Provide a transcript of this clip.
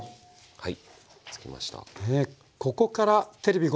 はい。